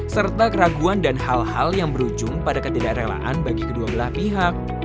serta keraguan dan hal hal yang berujung pada ketidak relaan bagi kedua belah pihak